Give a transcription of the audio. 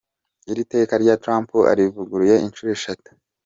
Iri teka rya Trump arivuguruye inshuro eshatu.